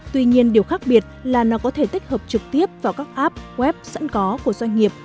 tuy nhiên điều khác biệt là nó có thể tích hợp trực tiếp vào các app web sẵn có của doanh nghiệp